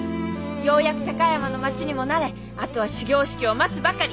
ようやく高山の町にも慣れあとは始業式を待つばかり。